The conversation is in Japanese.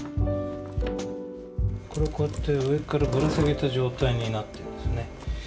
これをこうやって上からぶら下げた状態になってるんですね。